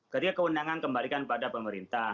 ketika keundangan kembalikan kepada pemerintah